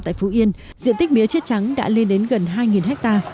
tại phú yên diện tích mía chết trắng đã lên đến gần hai ha